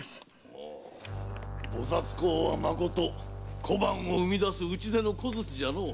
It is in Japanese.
菩薩講はまこと小判を生む打ち出の小槌じゃのう。